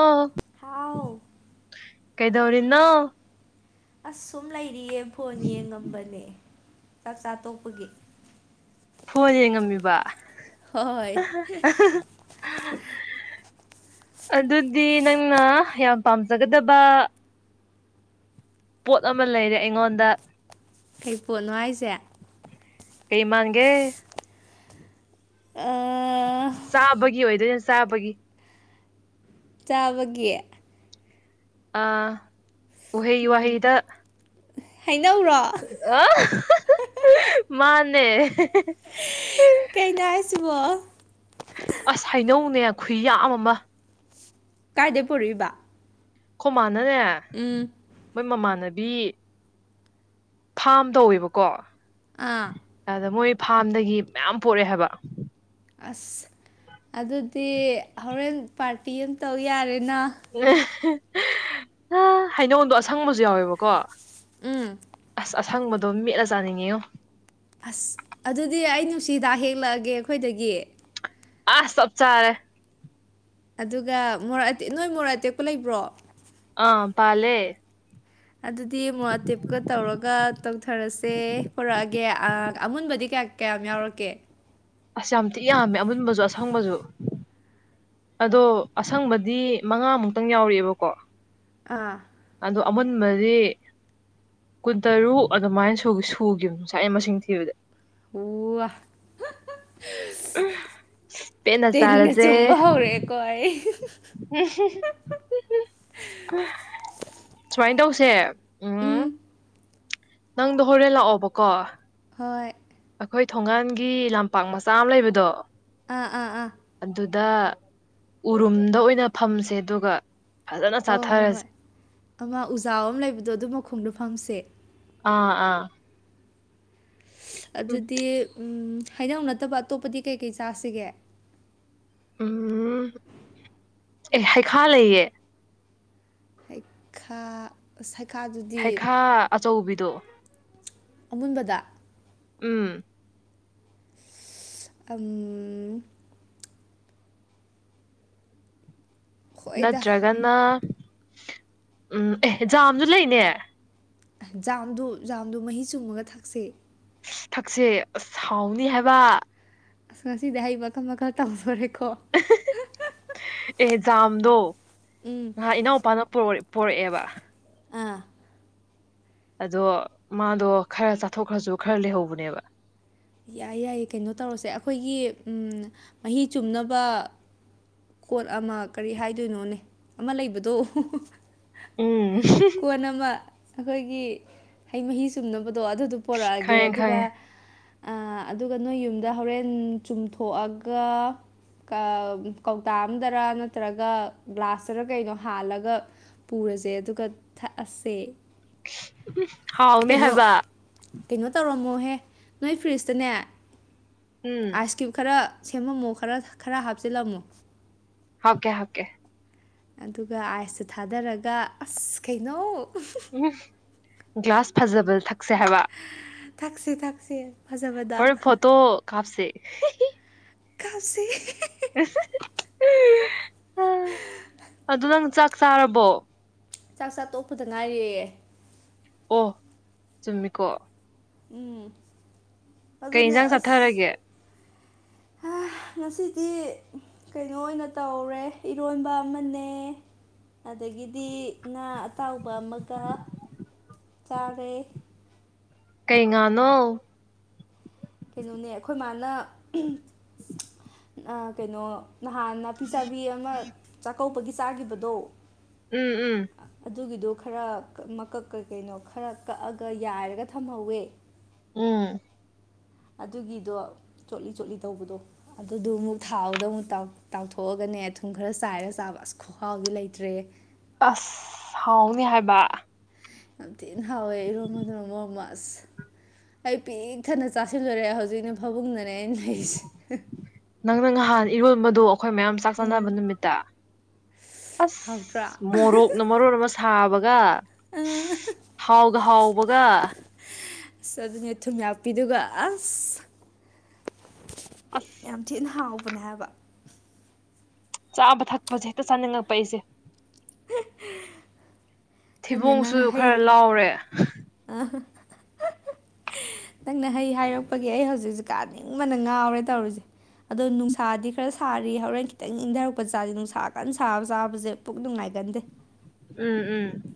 ꯑꯣ ꯍꯥꯎ ꯀꯩꯗꯧꯔꯤꯅꯣ ꯑꯁ ꯁꯨꯝ ꯂꯩꯔꯤꯌꯦ ꯐꯣꯟ ꯌꯦꯡꯉꯝꯕꯅꯦ ꯆꯥꯛ ꯆꯥ ꯇꯣꯛꯄꯒꯤ ꯐꯣꯟ ꯌꯦꯡꯉꯝꯃꯤꯕ ꯍꯣꯏ ꯑ ꯍ ꯍ ꯑꯗꯨꯗꯤ ꯅꯪꯅ ꯌꯥꯝ ꯄꯥꯝꯖꯒꯗꯕ ꯄꯣꯠ ꯑꯃ ꯂꯩꯔꯦ ꯑꯩꯉꯣꯟꯗ ꯀꯩ ꯄꯣꯠꯅꯣ ꯍꯥꯏꯁꯦ ꯀꯩꯃꯥꯟꯒꯦ ꯑꯥ ꯆꯥꯕꯒꯤ ꯑꯣꯏꯗꯣꯏꯅꯦ ꯆꯥꯕꯒꯤ ꯆꯥꯕꯒꯤ ꯑ ꯎꯍꯩ ꯎꯝ ꯋꯥꯍꯩꯗ ꯍꯩꯅꯧꯔꯣ [unintelligible] ꯃꯥꯟꯅꯦ ꯀꯩꯅꯣ ꯍꯥꯏꯁꯤꯕꯣ ꯑꯁ ꯍꯩꯅꯧꯅꯦ ꯈꯨꯏꯌꯥꯝ ꯑꯃ ꯀꯥꯏꯗꯩ ꯄꯨꯔꯛꯏꯕ ꯑꯈꯣ ꯃꯥꯅꯅꯦ ꯎꯝ ꯃꯣꯏ ꯃꯃꯥꯟꯅꯕꯤ ꯐꯥꯝ ꯇꯧꯋꯦꯕꯀꯣ ꯑꯥ ꯑꯗ ꯃꯣꯏ ꯐꯥꯔꯝꯗꯒꯤ ꯃꯌꯥꯝ ꯄꯣꯔꯛꯑꯦ ꯍꯥꯏꯕ ꯑꯁ ꯑꯗꯨꯗꯤ ꯍꯣꯔꯦꯟ ꯄꯥꯔꯇꯤ ꯑꯃꯇꯧ ꯌꯥꯔꯦꯅ ꯍꯩꯅꯧꯗꯣ ꯑꯁꯪꯕꯁꯨ ꯌꯥꯎꯋꯦꯕꯀꯣ ꯎꯝ ꯑꯁ ꯑꯁꯪꯕꯗꯣ ꯃꯦꯠꯂ ꯆꯥꯅꯤꯡꯉꯤꯉꯨ ꯑꯁ ꯑꯗꯨꯗꯤ ꯑꯩ ꯅꯨꯡꯁꯤꯗꯥꯥꯛ ꯍꯦꯛꯂꯛꯑꯒꯦ ꯑꯩꯈꯣꯏꯗꯒꯤ ꯑ ꯆꯞ ꯆꯥꯔꯦ ꯑꯗꯨꯒ ꯃꯣꯔ ꯑꯦꯛ ꯅꯣꯏ ꯃꯣꯔꯦ ꯑꯇꯦꯛꯄ ꯂꯩꯕ꯭ꯔꯣ ꯑꯥ ꯄꯥꯂꯦ ꯑꯗꯨꯗꯤ ꯑꯃꯨꯛ ꯇꯤꯞꯀ ꯇꯧꯔꯒ ꯇꯧꯊꯔꯁꯦ ꯄꯨꯔꯛꯑꯒꯦ ꯑꯃꯨꯟꯕꯗꯤ ꯀꯌꯥ ꯀꯌꯥꯝ ꯌꯥꯎꯔꯛꯀꯦ ꯑꯁ ꯌꯥꯝꯤꯛ ꯌꯥꯝꯃꯦ ꯑꯃꯨꯟꯕꯁꯨ ꯑꯁꯪꯕꯁꯨ ꯑꯗꯣ ꯑꯁꯪꯕꯗꯤ ꯃꯉꯥꯃꯨꯛꯇꯪ ꯌꯥꯎꯔꯛꯑꯦꯕꯀꯣ ꯑꯥ ꯑꯗꯣ ꯑꯃꯨꯟꯕꯗꯤ ꯀꯨꯟꯇꯔꯨꯛ ꯑꯗꯨꯃꯥꯏꯅ ꯁ ꯁꯨꯈꯤꯕ ꯉꯅꯨꯡꯁꯥꯏꯒꯤ ꯃꯁꯤꯡ ꯊꯤꯕꯗꯤ ꯋꯥ ꯄꯦꯠꯅ ꯇꯤꯟꯅ ꯆꯥꯔꯁꯦ ꯆꯨꯝꯕ ꯍꯧꯔꯛꯑꯦꯀꯣ ꯑꯩ ꯎ ꯁꯨꯃꯥꯏꯅ ꯇꯧꯁꯦ ꯎꯝ ꯅꯪꯗꯣ ꯍꯣꯔꯦꯟ ꯂꯥꯛꯑꯣꯕꯀꯣ ꯍꯣꯏ ꯑꯩꯈꯣꯏ ꯊꯣꯡꯒꯜꯒꯤ ꯂꯝꯄꯥꯛ ꯃꯆꯥ ꯑꯃ ꯂꯩꯕꯗꯣ ꯑꯥ ꯑꯥ ꯑꯥ ꯑꯗꯨꯗ ꯎꯔꯨꯝꯗ ꯑꯣꯏꯅ ꯐꯝꯁꯦ ꯑꯗꯨꯒ ꯐꯖꯅ ꯍꯣꯏ ꯍꯣꯏ ꯍꯣꯏ ꯆꯥꯊꯔꯁꯦ ꯑꯃ ꯎꯖꯥ ꯑꯃ ꯂꯩꯕꯗꯣ ꯑꯗꯨ ꯃꯈꯣꯡꯗꯣ ꯐꯪꯁꯦ ꯑꯥ ꯑꯥ ꯎꯝ ꯑꯗꯨꯗꯤ ꯍꯥꯏꯗꯧ ꯅꯠꯇꯕ ꯑꯇꯣꯞꯄꯗꯤ ꯀꯩꯀꯩ ꯆꯥꯁꯤꯒꯦ ꯎꯝ ꯑꯦ ꯍꯩꯈꯥ ꯂꯩꯌꯦ ꯇꯩ ꯈꯥ ꯁꯩꯈꯥꯗꯨꯗꯤ ꯍꯩꯈꯥ ꯑꯆꯧꯕꯤꯗꯣ ꯑꯃꯨꯟꯕꯗ ꯎꯝ ꯑ ꯍꯣꯏꯗ ꯅꯠꯇ꯭ꯔꯒꯅ ꯎꯝ ꯑꯦ ꯖꯥꯝꯁꯨ ꯂꯩꯅꯦ ꯖꯥꯝꯗꯨ ꯖꯥꯝꯗꯨ ꯃꯍꯤ ꯆꯨꯝꯃꯒ ꯊꯛꯁꯦ ꯊꯛꯁꯦ ꯁꯥꯎꯅꯤ ꯍꯥꯏꯕ ꯑꯁ ꯉꯁꯤꯗꯤ ꯍꯩ ꯃꯈꯜ ꯃꯈꯥ ꯇꯝꯈꯣꯔꯦꯀꯣ ꯑꯦ ꯖꯥꯝꯗꯣ ꯎꯝ ꯉꯍꯥꯛ ꯏꯅꯥꯎꯄꯥꯅ ꯄꯣꯔꯛꯑꯦꯕ ꯑꯥ ꯑꯗꯣ ꯃꯥꯗꯣ ꯈꯔ ꯆꯥꯊꯣꯛꯈ꯭ꯔꯁꯨ ꯈꯔ ꯂꯩꯍꯧꯕꯅꯦꯕ ꯌꯥꯏ ꯌꯥꯏꯌꯦ ꯀꯩꯅꯣ ꯇꯧꯔꯁꯦ ꯑꯩꯈꯣꯏꯒꯤ ꯃꯍꯤ ꯆꯨꯝꯅꯕ ꯀꯣꯠ ꯑꯃ ꯀꯔꯤ ꯍꯥꯏꯗꯣꯏꯅꯣꯅꯦ ꯑꯃ ꯂꯩꯕꯗꯣ ꯎꯝ ꯀꯣꯟ ꯑꯃ ꯑꯩꯈꯣꯏꯒꯤ ꯍꯩ ꯃꯍꯤ ꯆꯨꯝꯅꯕꯗꯣ ꯑꯗꯨꯗꯨ ꯄꯣꯔꯛꯑꯒꯦ ꯈꯪꯉꯦ ꯑꯗꯨꯒ ꯈꯪꯉꯦ ꯑ ꯑꯗꯨꯒ ꯅꯣꯏ ꯌꯨꯝꯗ ꯍꯣꯔꯦꯟ ꯆꯨꯝꯊꯣꯛꯑꯒ ꯀ ꯀꯧꯇꯥ ꯑꯝꯗꯔ ꯅꯠꯇ꯭ꯔꯒ ꯒ꯭ꯂꯥꯁꯇꯔ ꯀꯩꯅꯣ ꯍꯥꯜꯂꯒ ꯄꯨꯔꯖꯦ ꯑꯗꯨꯒ ꯊꯛꯑꯁꯦ ꯏꯁ ꯍꯥꯎꯅꯦ ꯀꯩꯅꯣ ꯍꯥꯏꯕ ꯀꯩꯅꯣ ꯇꯧꯔꯝꯃꯣꯍꯦ ꯅꯣꯏ ꯐ꯭ꯔꯤꯖꯇꯅꯦ ꯎꯝ ꯑꯥꯏꯁ ꯀ꯭ꯌꯨꯞ ꯈꯔ ꯁꯦꯝꯃꯝꯃꯣ ꯈꯔ ꯈꯔ ꯍꯥꯞꯆꯤꯜꯂꯝꯃꯣ ꯍꯥꯞꯀꯦ ꯍꯥꯞꯀꯦ ꯑꯗꯨꯒ ꯑꯥꯏꯁꯇꯨ ꯊꯥꯗꯔꯒ ꯑꯁ ꯀꯩꯅꯣ ꯎꯝꯍ ꯒ꯭ꯌꯥꯁ ꯐꯖꯕꯗ ꯊꯛꯁꯦ ꯍꯥꯏꯕ ꯊꯛꯁꯦ ꯊꯛꯁꯦ ꯐꯖꯕꯗ ꯍꯣꯔꯦꯟ ꯐꯣꯇꯣ ꯀꯥꯞꯁꯦ ꯍꯤ ꯍꯤ ꯀꯥꯞꯁꯦ [unintelligible] [unintelligible] ꯑꯗꯨ ꯅꯪ ꯆꯥꯛ ꯆꯥꯔꯕꯣ ꯆꯥꯛ ꯆꯥ ꯇꯣꯛꯄꯗ ꯅꯥꯏꯔꯤꯌꯦ ꯑꯣꯍ ꯆꯨꯝꯃꯤꯀꯣ ꯎꯝ ꯀꯩ ꯑꯗꯨꯅꯦ ꯌꯦꯟꯖꯥꯡ ꯑꯁ ꯆꯥꯊꯔꯒꯦ ꯍꯦꯑ ꯉꯁꯤꯗꯤ ꯀꯩꯅꯣ ꯑꯣꯏꯅ ꯇꯧꯔꯦ ꯏꯔꯣꯟꯕ ꯑꯃꯅꯦ ꯑꯗꯒꯤꯗꯤ ꯉꯥ ꯑꯇꯥꯎꯕ ꯑꯃꯒ ꯆꯥꯔꯦ ꯀꯩ ꯉꯥꯅꯣ ꯀꯩꯅꯣꯅꯦ ꯑꯩꯈꯣꯏ ꯃꯥꯅ ꯎꯨꯝꯍ ꯑꯥ ꯀꯩꯅꯣ ꯅꯍꯥꯟ ꯅꯥꯄꯤꯆꯥꯕꯤ ꯑꯃ ꯆꯥꯛꯀꯧꯕꯒꯤ ꯆꯥꯈꯤꯕꯗꯣ ꯎꯝ ꯎꯝ ꯑꯗꯨꯒꯤꯗꯣ ꯈꯔ ꯀ ꯃꯀꯛ ꯀ ꯀꯩꯅꯣ ꯈꯔ ꯀꯛꯑꯒ ꯌꯥꯏꯔꯒ ꯊꯝꯍꯧꯋꯦ ꯎꯝ ꯑꯗꯨꯒꯤꯗꯣ ꯆꯣꯠꯂꯤ ꯆꯣꯠꯂꯤ ꯇꯧꯕꯗꯣ ꯑꯗꯨꯗꯨ ꯑꯃꯨꯛ ꯊꯥꯎꯗ ꯑꯃꯨꯛ ꯇꯥꯎ ꯇꯥꯎꯊꯣꯛꯑꯒꯅꯦ ꯊꯨꯝ ꯈꯔ ꯆꯥꯏꯔꯒ ꯆꯥꯕ ꯑꯁ ꯈꯨꯍꯥꯎꯗꯤ ꯂꯩꯇ꯭ꯔꯦꯍꯦ ꯑꯁ ꯍꯥꯎꯅꯤ ꯍꯥꯏꯕ ꯌꯥꯝ ꯊꯤꯅ ꯍꯥꯎꯋꯦ ꯏꯔꯣꯝꯕꯗꯨꯅ ꯃꯔꯣꯝꯃ ꯑꯁ ꯑꯩ ꯄꯤꯛ ꯊꯟꯅ ꯆꯥꯁꯤꯜꯂꯨꯔꯦ ꯍꯧꯖꯤꯛꯅ ꯐꯕꯨꯡꯗꯅꯦ ꯑꯩꯅ ꯂꯩꯔꯤꯁꯦ ꯅꯪꯅ ꯉꯍꯥꯟ ꯏꯔꯣꯟꯕꯗꯣ ꯑꯩꯈꯣꯏ ꯃꯌꯥꯝ ꯆꯥꯛ ꯎꯝ ꯆꯥꯅꯕ ꯅꯨꯃꯤꯠꯇ ꯍꯥꯎꯇ꯭ꯔꯥ ꯑꯁ ꯃꯣꯔꯣꯛꯅ ꯃꯔꯣꯟ ꯑꯃ ꯁꯥꯕꯒ ꯍꯥꯎꯒ ꯍꯥꯎꯕꯒ ꯑꯁ ꯑꯗꯨꯅꯦ ꯊꯨꯝꯌꯥꯛꯄꯤꯗꯨꯒ ꯑꯁ ꯑꯁ ꯌꯥꯝ ꯊꯤꯅ ꯍꯥꯎꯕꯅꯦ ꯍꯥꯏꯕ ꯆꯥꯕ ꯊꯛꯄꯁꯦ ꯍꯦꯛꯇ ꯆꯥꯅꯤꯡꯉꯛꯄ ꯑꯩꯁꯦ [unintelligible] ꯈꯪꯗꯦ ꯊꯤꯕꯣꯡꯁꯨ ꯅꯪ ꯈꯔ ꯍꯩ ꯂꯥꯎꯔꯦ [unintelligible] ꯅꯪꯅ ꯍꯩ ꯍꯥꯏꯔꯛꯄꯒꯤ ꯑꯩ ꯍꯧꯖꯤꯛꯁꯨ ꯀꯥꯅꯤꯡꯕꯅ ꯉꯥꯎꯔꯦ ꯇꯧꯔꯤꯁꯦ ꯑꯗꯣ ꯅꯨꯡꯁꯥꯗꯤ ꯈꯔ ꯁꯥꯔꯤ ꯍꯣꯔꯦꯟ ꯈꯤꯇꯪ ꯏꯪꯗꯔꯛꯄ ꯆꯥꯖꯦ ꯅꯨꯡꯁꯥ ꯀꯟꯅ ꯁꯥꯕ ꯆꯥꯕꯁꯦ ꯄꯨꯛ ꯅꯨꯡꯉꯥꯏꯒꯟꯗꯦ ꯎꯝ ꯎꯝ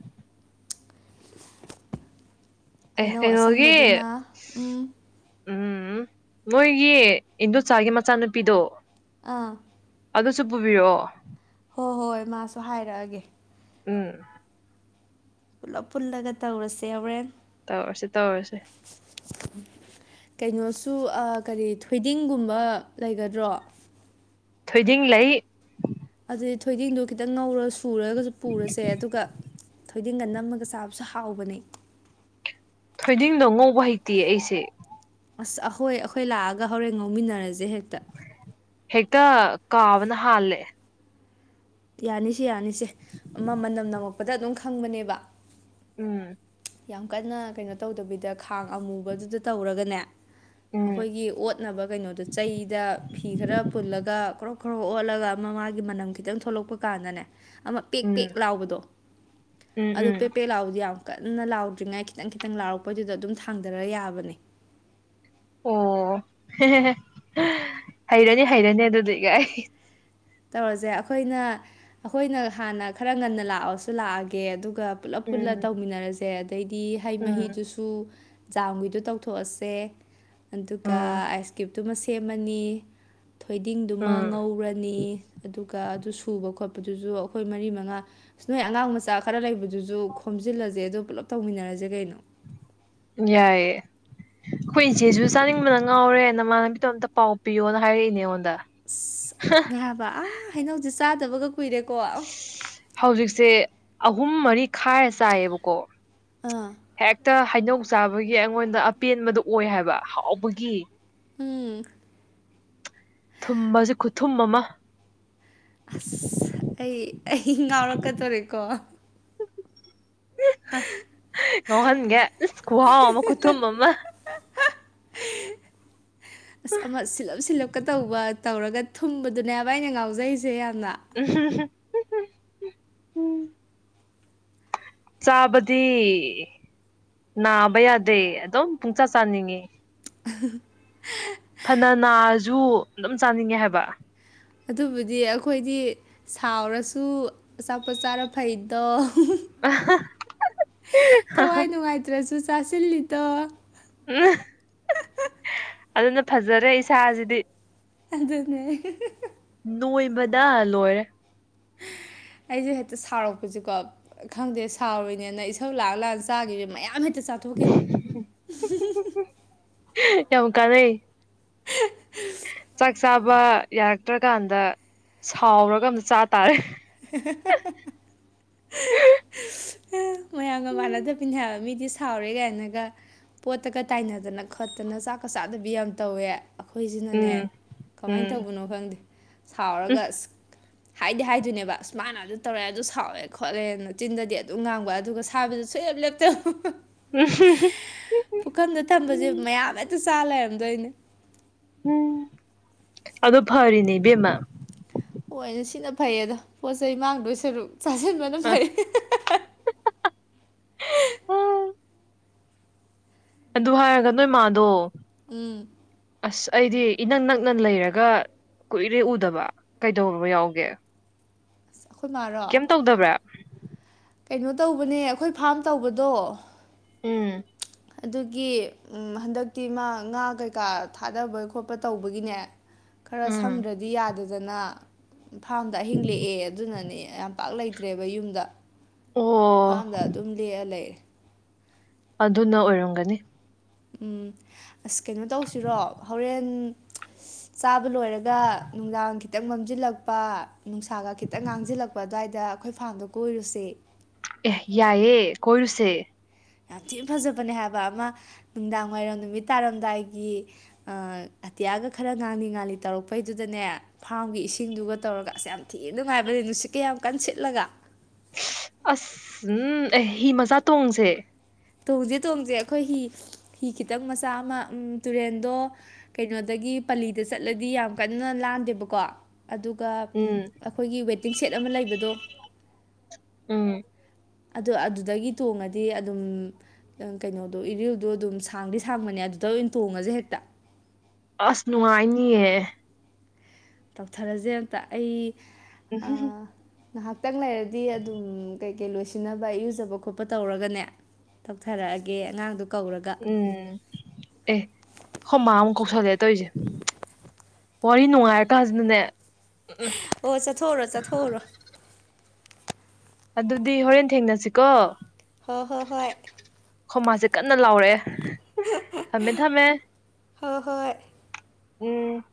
ꯑꯦꯍ ꯍꯩꯅꯧ ꯀꯩꯅꯣꯒꯤ ꯑꯁꯪꯕꯗꯨꯅ ꯎꯝ ꯎꯝ ꯅꯣꯏꯒꯤ ꯏꯟꯗꯣꯆꯥꯒꯤ ꯃꯆꯥꯅꯨꯄꯤꯗꯣ ꯑꯥ ꯑꯗꯨꯁꯨ ꯄꯨꯕꯤꯔꯛꯑꯣ ꯍꯣꯏ ꯍꯣꯏ ꯃꯥꯁꯨ ꯍꯥꯏꯔꯛꯑꯒꯦ ꯎꯝ ꯄꯨꯂꯞ ꯄꯨꯜꯂꯒ ꯇꯧꯔꯁꯦ ꯍꯧꯔꯦꯟ ꯇꯧꯔꯁꯦ ꯇꯧꯔꯁꯦ ꯀꯩꯅꯣꯁꯨ ꯀꯔꯤ ꯊꯣꯏꯗꯤꯡꯒꯨꯝꯕ ꯂꯩꯒꯗ꯭ꯔꯣ ꯊꯣꯏꯗꯤꯡ ꯂꯩ ꯑꯗꯨꯗꯤ ꯊꯣꯏꯗꯤꯡꯗꯣ ꯈꯤꯇꯪ ꯉꯧꯔ ꯁꯨꯔꯒꯁꯨ ꯄꯨꯔꯁꯦ ꯑꯗꯨꯒ ꯊꯣꯏꯗꯤꯡꯒ ꯅꯝꯃꯒ ꯆꯥꯕꯁꯨ ꯍꯥꯎꯕꯅꯦ ꯊꯣꯏꯗꯤꯡꯗꯣ ꯉꯧꯕ ꯍꯩꯇꯦ ꯑꯩꯁꯦ꯫ ꯑꯁ ꯑꯍꯣꯏ ꯑꯩꯈꯣꯏ ꯂꯥꯛꯑꯒ ꯍꯣꯔꯦꯟ ꯉꯧꯃꯤꯟꯅꯔꯁꯦ ꯍꯦꯛꯇ꯫ ꯍꯦꯛꯇ ꯀꯥꯕꯅ ꯍꯥꯜꯂꯦ꯫ ꯌꯥꯅꯤꯁꯦ ꯌꯥꯅꯤꯁꯦ ꯑꯃ ꯃꯅꯝ ꯅꯝꯃꯛꯄꯗ ꯑꯗꯨꯝ ꯈꯪꯕꯅꯦꯕ꯫ ꯎꯝ꯫ ꯌꯥꯝ ꯀꯟꯅ ꯀꯩꯅꯣ ꯇꯧꯗꯕꯤꯗ ꯈꯥꯡ ꯑꯃꯨꯕꯗꯨꯗ ꯇꯧꯔꯒꯅꯦ꯫ ꯎꯝ ꯑꯩꯈꯣꯏꯒꯤ ꯑꯣꯠꯅꯕ ꯀꯩꯅꯣꯗꯣ ꯆꯩꯗ ꯐꯤ ꯈꯔ ꯄꯨꯜꯂꯒ ꯀꯔꯣ__꯫ ꯈꯣꯔꯥ ꯑꯣꯠꯂꯒ ꯑꯃ ꯃꯥꯥꯒꯤ ꯃꯅꯝ ꯈꯤꯇꯪ ꯊꯣꯛꯂꯛꯄ ꯀꯥꯟꯗꯅꯦ꯫ ꯑꯃ ꯄꯦꯛ ꯄꯦꯛ ꯎꯝ ꯂꯥꯎꯕꯗꯣ ꯑꯗꯨ ꯎꯝ ꯎꯝ ꯄꯦꯛ ꯄꯦꯛ ꯂꯥꯎꯕꯗꯤ ꯌꯥꯝ꯫ ꯀꯟꯅ ꯂꯥꯎꯗ꯭ꯔꯤꯉꯥꯏ ꯈꯤꯇꯪ ꯈꯤꯇꯪ ꯂꯥꯎꯔꯛꯄꯩꯗꯨꯗ ꯑꯗꯨꯝ ꯊꯥꯡꯗꯔ ꯌꯥꯕꯅꯦ꯫ ꯑꯣ ꯍꯦꯍꯦꯍꯦ ꯍꯥ ꯍꯩꯔꯅꯤ ꯍꯩꯔꯅꯤ ꯑꯗꯨꯗꯤ꯫ ꯇꯧꯔꯁꯦ ꯑꯩꯈꯣꯏꯅ ꯑꯩꯈꯣꯏꯅ ꯍꯥꯟꯅ ꯈꯔ ꯉꯟꯅ ꯂꯥꯛꯑꯣꯁꯨ ꯂꯥꯛꯑꯒꯦ ꯑꯗꯨꯒ꯫ ꯄꯨꯂꯞ ꯄꯨꯜꯂ ꯎꯝ ꯇꯧꯃꯤꯟꯅꯔꯁꯦ ꯑꯗꯩꯗꯤ ꯎꯝ ꯍꯩꯃꯍꯤꯗꯨꯁ_꯫ ꯁꯨ ꯖꯥꯝꯒꯤꯗꯣ ꯇꯧꯊꯣꯛꯑꯁꯦ ꯑꯗꯨꯒ ꯎꯝ ꯑꯥꯏꯁꯀ__꯫ ꯇꯨꯃ ꯁꯦꯝꯃꯅꯤ ꯊꯣꯏꯗꯤꯡꯗꯨꯃ ꯎꯝ ꯉꯧꯔꯅꯤ꯫ ꯗꯨꯒ ꯑꯗꯨ ꯁꯨꯕ ꯈꯣꯠꯄꯗꯨꯁꯨ ꯑꯩꯈꯣꯏ ꯃꯔꯤ ꯃꯉꯥ꯫ ꯑꯁ ꯅꯣꯏ ꯑꯉꯥꯡ ꯃꯆꯥ ꯈꯔ ꯂꯩꯕꯗꯨꯁꯨ ꯈꯣꯝꯖꯤꯜꯂꯁꯦ ꯑꯗꯨ ꯄꯨꯂꯞ ꯇꯧꯃꯤꯟꯅꯔꯁꯦ ꯀꯩꯅꯣ꯫ ꯌꯥꯏꯌꯦ꯫ ꯈꯣꯏ ꯏꯆꯦꯁꯨ ꯆꯥꯅꯤꯡꯕꯅ ꯉꯥꯎꯔꯦ ꯅꯃꯥꯟꯅꯕꯤꯗꯣ ꯑꯝꯇ ꯄꯥꯎ ꯄꯤꯌꯣꯅ ꯍꯥꯏꯔꯛꯏꯅꯦ ꯑꯩꯉꯣꯟꯗ꯫ ꯑꯁ ꯑꯗꯨꯅꯦ ꯍꯥꯏꯕ ꯑꯥ ꯍꯩꯅꯧꯖꯦ ꯆꯥꯗꯕꯒ ꯀꯨꯏꯔꯦꯀꯣ꯫ ꯍꯧꯖꯤꯛꯁꯦ ꯑꯍꯨꯝ ꯃꯔꯤ ꯈꯥꯏꯔ ꯆꯥꯏꯌꯦꯕꯀꯣ ꯑꯥ ꯍꯦꯛ꯫ ꯇ ꯍꯩꯅꯧ ꯆꯥꯕꯒꯤ ꯑꯩꯉꯣꯟꯗ ꯑꯄꯦꯟꯕꯗꯣ ꯑꯣꯏ ꯍꯥꯏꯕ ꯍꯥꯎꯕꯒꯤ꯫ ꯎꯝ꯫ ꯊꯨꯝꯕꯖꯤ ꯈꯨꯠꯊꯨꯝ ꯑꯃ꯫ ꯑꯁ ꯑꯩ ꯑꯩ ꯉꯥꯎꯔꯛꯀꯗꯣꯔꯦꯀꯣ꯫ ꯍꯤ ꯍꯥ ꯌꯧꯍꯟꯒꯦ ꯏꯁ ꯈꯨꯍꯥꯎ ꯑꯃ ꯈꯨꯊꯨꯝ ꯑꯃ꯫ ꯑꯁ ꯑꯃ ꯁꯤꯜꯂꯞ ꯁꯤꯜꯂꯞꯀ ꯇꯧꯕ ꯇꯧꯔꯒ ꯊꯨꯝꯕꯗꯨꯅꯦꯕ ꯑꯩꯅ ꯉꯥꯎꯖꯔꯤꯁꯦ ꯌꯥꯝꯅ꯫ ꯎꯍ ꯍ꯫ ꯆꯥꯕꯗꯤ ꯅꯥꯕ ꯌꯥꯗꯦ ꯑꯗꯨꯝ ꯄꯨꯡꯆꯥꯥ ꯆꯥꯅꯤꯡꯏ꯫ ꯐꯥꯅ ꯅꯥꯔꯥꯖꯨ ꯑꯗꯨꯝ ꯆꯥꯅꯤꯡꯉꯦ ꯍꯥꯏꯕ꯫ ꯑꯗꯨꯕꯨꯗꯤ ꯑꯩꯈꯣꯏꯗꯤ ꯁꯥꯎꯔꯁꯨ ꯑꯆꯥꯄꯣꯠ ꯆꯥꯔ ꯐꯩꯗꯣ ꯎꯍꯨꯍꯨ꯫ [unintelligible] ꯊꯋꯥꯏ ꯅꯨꯡꯉꯥꯏꯇ꯭ꯔꯁꯨ ꯆꯥꯁꯤꯜꯂꯤꯗꯣ꯫ [unintelligible] ꯑꯗꯨꯅ ꯐꯖꯔꯦ ꯏꯁꯥꯁꯤꯗꯤ꯫ ꯑꯗꯨꯅꯦ ꯑꯍ__꯫ ꯅꯣꯏꯃꯗ ꯂꯣꯏꯔꯦ꯫ ꯑꯩꯖꯨ ꯍꯦꯛꯇ ꯁꯥꯎꯔꯛꯄꯁꯦꯀꯣ꯫ ꯈꯪꯗꯦ ꯁꯥꯎꯔꯤꯅꯦꯅ ꯏꯁꯧ ꯂꯥꯡꯑ ꯂꯥꯡꯑ ꯆꯥꯒꯤ_ ꯃꯌꯥꯝ ꯍꯦꯛꯇ ꯆꯥꯊꯣꯛꯈꯤꯕ꯫ [unintelligible] ꯌꯥꯝ ꯀꯅꯩꯌꯦ꯫ ꯆꯥꯛ ꯆꯥꯕ ꯌꯥ__꯫ ꯇ꯭ꯔꯀꯥꯟꯗ ꯁꯥꯎꯔꯒ ꯑꯝꯇ ꯆꯥ ꯇꯥꯔꯦ꯫ [unintelligible] ꯃꯌꯥꯝꯒ ꯃꯥꯟꯅꯗꯕꯤꯅꯦ ꯍꯥꯏꯕ ꯃꯤꯗꯤ ꯁꯥꯎꯔꯦ ꯀꯥꯏꯅꯒ꯫ ꯄꯣꯠꯇꯒ ꯇꯥꯏꯅꯗꯅ ꯈꯣꯠꯇꯅ ꯆꯥꯛꯀ ꯆꯥꯗꯕꯤ ꯌꯥꯝ ꯇꯧꯋꯦ꯫ ꯑꯩꯈꯣꯏꯖꯤꯅꯅꯦ ꯎꯝ ꯀꯃꯥꯏ ꯎꯝ ꯇꯧꯕꯅꯣ ꯈꯪꯗꯦ ꯁꯥꯎꯔꯒ ꯑꯁ꯫ ꯍꯥꯏꯗꯤ ꯍꯥꯏꯗꯨꯏꯅꯦ_꯫ ꯕ ꯑꯁ ꯃꯅꯥ ꯑꯗꯨ ꯇꯧꯔꯛꯌꯦ ꯑꯗꯨ ꯁꯥꯎꯋꯦ ꯈꯣꯠꯂꯦꯅ ꯆꯤꯟꯗꯗꯤ ꯑꯗꯨꯝ ꯉꯥꯡꯕ ꯑꯗꯨꯒ ꯁꯥꯏꯕꯗꯤ ꯁꯨꯡꯂꯦꯞ ꯂꯦꯞꯇꯦ [unintelligible] ꯍꯥ ꯄꯨꯈꯝꯗ ꯊꯝꯕꯁꯦ ꯎꯝ ꯃꯌꯥꯝ ꯍꯦꯛꯇ ꯆꯥ ꯂꯩꯔꯝꯗꯣꯏꯅꯦ [unintelligible] ꯑꯗꯨ ꯐꯔꯤꯅꯦ ꯏꯕꯦꯝꯃꯥ ꯍꯣꯏ ꯁꯤꯅ ꯐꯩꯌꯦꯗꯥ ꯄꯣꯠ ꯆꯩ ꯃꯥꯡꯗꯣꯏ ꯁꯔꯨꯛ ꯆꯥꯁꯤꯟꯕꯅ ꯑ ꯐꯩ ꯑꯗꯨ ꯍꯥꯏꯔꯒ ꯅꯣꯏꯃꯗꯣ ꯎꯝ ꯑꯁ ꯑꯩꯗꯤ ꯏꯅꯛ ꯅꯛꯅ ꯂꯩꯔꯒ ꯀꯨꯏꯔꯦ ꯎꯗꯕ ꯀꯩꯗꯔꯕ ꯌꯥꯎꯒꯦ ꯑꯩꯈꯣꯏ ꯃꯥꯔꯣ [unintelligible] ꯀꯩꯅꯣ ꯇꯧꯕꯅꯦ ꯑꯩꯈꯣꯏ ꯐꯥꯝ ꯇꯧꯕꯗꯣ ꯎꯝ ꯑꯗꯨꯒꯤ ꯍꯟꯗꯛꯇꯤ ꯃꯥ ꯉꯥ ꯀꯩꯀꯥ ꯊꯥꯗꯕ ꯈꯣꯠꯄ ꯇꯧꯕꯒꯤꯅꯦ ꯈꯔ ꯎꯝ ꯁꯪꯗ꯭ꯔꯗꯤ ꯌꯥꯗ ꯐꯖꯅ ꯐꯥꯝꯗ ꯑꯍꯤꯡ ꯂꯦꯛꯑꯦ ꯑꯗꯨꯅꯅꯦ ꯌꯥꯝ ꯄꯥꯛ ꯂꯩꯇ꯭ꯔꯦꯕ ꯌꯨꯝꯗ ꯑꯣ ꯍꯥꯟꯗ ꯑꯗꯨꯝ ꯂꯦꯛꯑ ꯂꯩꯔꯦ ꯑꯗꯨꯅ ꯑꯣꯏꯔꯝꯒꯅꯤ ꯎꯝ ꯑꯁ ꯀꯩꯅꯣ ꯇꯧꯁꯤꯔꯣ ꯍꯣꯔꯦꯟ ꯆꯥꯕ ꯂꯣꯏꯔꯒ ꯅꯨꯡꯗꯥꯡ ꯈꯤꯇꯪ ꯃꯝꯁꯤꯜꯂꯛꯄ ꯅꯨꯡꯁꯥꯒ ꯈꯤꯇꯪ ꯉꯥꯡꯁꯤꯜꯂꯛꯄ ꯑꯗꯨꯋꯥꯏꯗ ꯑꯩꯈꯣꯏ ꯐꯥꯝꯗꯣ ꯀꯣꯏꯔꯨꯁꯦ ꯑꯦꯍ ꯌꯥꯏꯌꯦ ꯀꯣꯏꯔꯨꯁꯦ ꯌꯥꯝ ꯊꯤꯅ ꯐꯖꯕꯅꯦ ꯍꯥꯏꯕ ꯑꯃ ꯅꯨꯡꯗꯥꯡꯋꯥꯏꯔꯝ ꯅꯨꯃꯤꯠ ꯇꯥꯔꯝꯗꯥꯏꯒꯤ ꯑꯇꯤꯌꯥꯒ ꯈꯔ ꯉꯥꯡꯂꯤ ꯉꯥꯜꯂꯤ ꯇꯧꯔꯛꯄꯩꯗꯨꯗꯅꯦ ꯐꯥꯔꯝꯒꯤ ꯏꯁꯤꯡꯗꯨꯒ ꯇꯧꯔꯒ ꯑꯁ ꯌꯥꯝ ꯊꯤꯅ ꯅꯨꯡꯉꯥꯏꯕꯅꯦ ꯅꯨꯡꯁꯤꯠꯀ ꯌꯥꯝ ꯀꯟ ꯁꯤꯠꯂꯒ ꯑꯁ ꯎꯝ ꯍꯤ ꯃꯆꯥ ꯇꯣꯡꯁꯦ ꯇꯣꯡꯁꯦ ꯇꯣꯡꯁꯦ ꯑꯩꯈꯣꯏ ꯍꯤ ꯍꯤ ꯈꯤꯇꯪ ꯃꯆꯥ ꯑꯃ ꯇꯨꯔꯦꯟꯗꯣ ꯀꯩꯅꯣꯗꯒꯤ ꯄꯂꯤꯗ ꯆꯠꯂꯗꯤ ꯌꯥꯝ ꯀꯟꯅ ꯂꯥꯟꯗꯦꯕꯀꯣ ꯑꯗꯨꯒ ꯎꯝ ꯑꯩꯈꯣꯏꯒꯤ ꯋꯦꯇꯤꯡ ꯁꯦꯠ ꯑꯃ ꯂꯩꯕꯗꯣ ꯎꯝ ꯑꯗꯨ ꯑꯗꯨꯗꯒꯤ ꯇꯣꯡꯉꯗꯤ ꯑꯗꯨꯝ ꯀꯩꯅꯣꯗꯣ ꯏꯔꯤꯜꯗꯣ ꯑꯗꯨꯝ ꯁꯥꯡꯗꯤ ꯁꯥꯡꯕꯅꯦ ꯑꯗꯨꯗ ꯑꯣꯏꯅ ꯇꯣꯡꯉꯁꯦ ꯍꯦꯛꯇ ꯑꯁ ꯅꯨꯡꯉꯥꯏꯅꯤꯌꯦ ꯇꯧꯊꯔꯁꯦ ꯑꯝꯇ ꯑꯩ ꯎꯝ ꯍꯨꯍꯨ ꯉꯍꯥꯛꯇꯪ ꯂꯩꯔꯗꯤ ꯑꯗꯨꯝ ꯀꯩꯀꯩ ꯂꯣꯏꯁꯤꯟꯅꯕ ꯏꯨꯖꯕ ꯈꯣꯠꯄ ꯇꯧꯔꯒꯅꯦ ꯇꯧꯊꯔꯛꯑꯒꯦ ꯑꯉꯥꯡꯗꯨ ꯀꯧꯔꯒ ꯎꯝ ꯑꯦ ꯍꯣꯃꯥ ꯑꯃꯨꯛ ꯀꯧꯁꯜꯂꯦ ꯇꯧꯔꯤꯁꯦ ꯋꯥꯔꯤ ꯅꯨꯡꯉꯥꯏꯔꯀꯥꯟꯁꯤꯅꯅꯦ ꯎꯝꯝ ꯑꯣ ꯆꯠꯊꯣꯔꯣ ꯆꯠꯊꯣꯛꯔꯣ ꯑꯗꯨꯗꯤ ꯍꯣꯔꯦꯟ ꯊꯦꯡꯅꯁꯤꯀꯣ ꯍꯣꯏ ꯍꯣꯏ ꯍꯣꯏ ꯈꯣꯝꯃꯥꯁꯦ ꯀꯟꯅ ꯂꯥꯎꯔꯛꯑꯦ ꯊꯝꯃꯦ ꯊꯝꯃꯦ ꯍ ꯍꯣꯏ ꯎꯝ